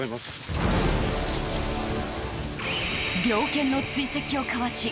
猟犬の追跡をかわし